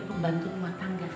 pembantu rumah tangga